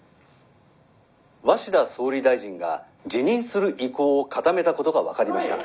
鷲田総理大臣が辞任する意向を固めたことが分かりました。